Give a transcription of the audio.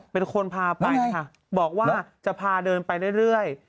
เป็นคนพาไปนะคะบอกว่าจะพาเดินไปเรื่อย